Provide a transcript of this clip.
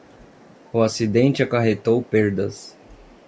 O acidente acarretou perdas